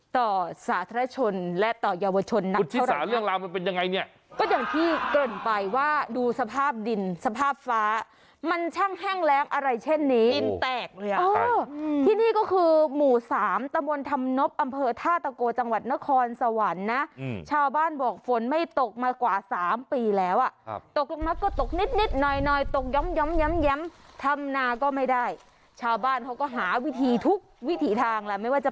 ต่อสาธารชนและต่อยาวชนคุณศิษฐาเรื่องราวมันเป็นยังไงเนี่ยก็อย่างที่เกินไปว่าดูสภาพดินสภาพฟ้ามันช่างแห้งแล้วอะไรเช่นนี้อินแตกเลยอ่ะอ๋อที่นี่ก็คือหมู่สามตะมนต์ธำนบอำเภอท่าตะโกจังหวัดนครสวรรค์นะอืมชาวบ้านบอกฝนไม่ตกมากว่าสามปีแล้วอ่ะครับตกลงมาก็ตก